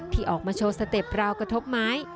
ที่ออกมาโชว์สเต็ปราวกระทบไม้